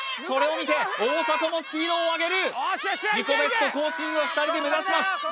それを見て大迫もスピードを上げる自己ベスト更新を２人で目指します